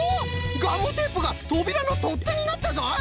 ガムテープがとびらのとってになったぞい！